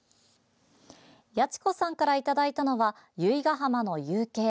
やちこさんからいただいたのは由比ガ浜の夕景。